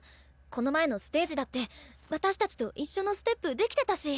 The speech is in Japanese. この前のステージだって私たちと一緒のステップできてたし。